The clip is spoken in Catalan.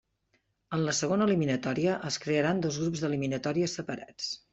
En la segona eliminatòria es crearen dos grups d'eliminatòries separats.